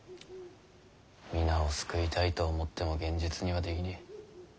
皆を救いたいと思っても現実にはできねぇ。